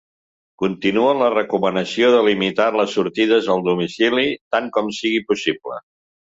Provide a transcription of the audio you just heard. Continua la recomanació de limitar les sortides al domicili, tant com sigui possible.